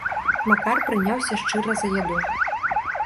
Макар прыняўся шчыра за яду.